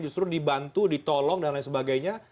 justru dibantu ditolong dan lain sebagainya